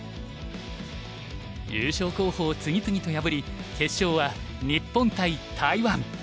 優勝候補を次々と破り決勝は日本対台湾。